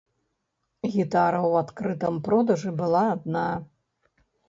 Гітара ў адкрытым продажы была адна.